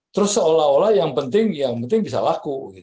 terus seolah olah yang penting bisa laku